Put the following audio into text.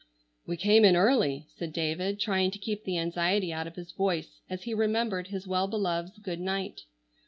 "We came in early," said David, trying to keep the anxiety out of his voice, as he remembered his well beloved's good night.